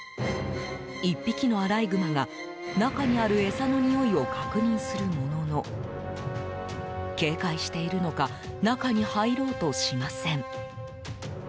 １匹のアライグマが中にある餌のにおいを確認するものの警戒しているのか中に入ろうとしません。